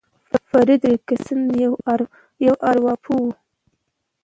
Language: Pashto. فرېډ ريکسن يو ارواپوه دی.